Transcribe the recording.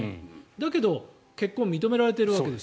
だけど、結婚は認められているわけです。